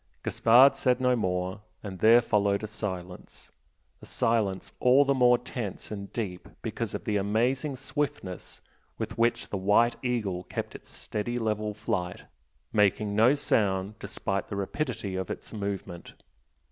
Gaspard said no more, and there followed a silence, a silence all the more tense and deep because of the amazing swiftness with which the "White Eagle" kept its steady level flight, making no sound despite the rapidity of its movement.